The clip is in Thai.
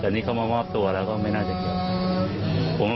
แต่นี่เขามามอบตัวแล้วก็ไม่น่าจะเกี่ยว